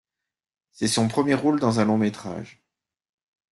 C'est son premier rôle dans un long métrage.